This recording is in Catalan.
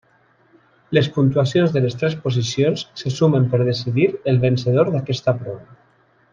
Les puntuacions de les tres posicions se sumen per decidir el vencedor d'aquesta prova.